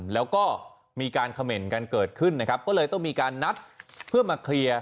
แล้วก็มีการเขม่นกันเกิดขึ้นนะครับก็เลยต้องมีการนัดเพื่อมาเคลียร์